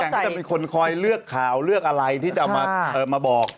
แต่งก็จะเป็นคนคอยเลือกข่าวเลือกอะไรที่จะมาบอก